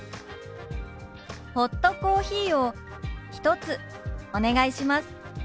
「ホットコーヒーを１つお願いします」。